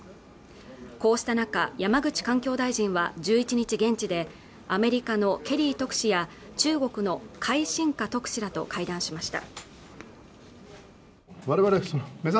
こうした中山口環境大臣は１１日現地でアメリカのケリー特使や中国の解振華特使らと会談しました